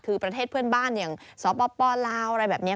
คือประเทศเพื่อนบ้านอย่างสปลาวอะไรแบบนี้